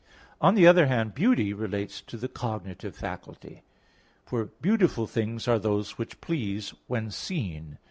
On the other hand, beauty relates to the cognitive faculty; for beautiful things are those which please when seen.